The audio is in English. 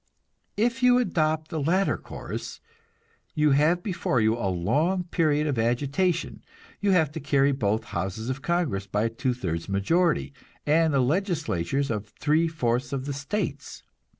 If you adopt the latter course, you have before you a long period of agitation; you have to carry both houses of Congress by a two thirds majority, and the legislatures of three fourths of the States.